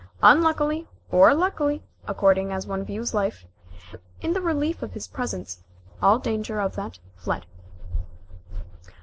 Unluckily, or luckily, according as one views life in the relief of his presence, all danger of that fled.